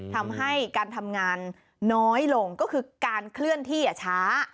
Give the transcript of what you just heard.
ทำให้การทำงานน้อยลงก็คือการเคลื่อนที่ช้า